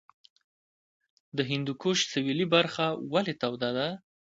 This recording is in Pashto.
د هندوکش سویلي برخه ولې توده ده؟